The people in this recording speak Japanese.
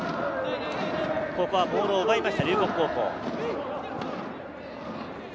ボールを奪いました龍谷高校。